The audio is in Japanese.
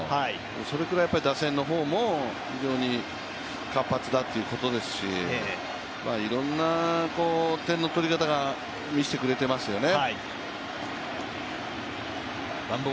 それぐらい打線の方も非常に活発ということですし、いろんな点の取り方を見せてくれていますよね。